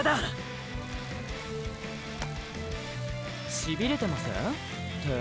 しびれてません？